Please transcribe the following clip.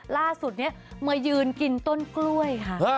ล่าสุดนี้มายืนกินต้นกล้วยค่ะ